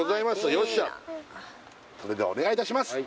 よっしゃそれではお願いいたします